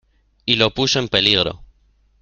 y lo puso en peligro.